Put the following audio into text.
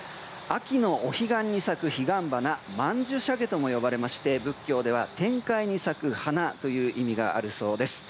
秋のお彼岸に咲くヒガンバナマンジュシャゲとも呼ばれまして仏教では仏教では天界に咲く花という意味があるそうです。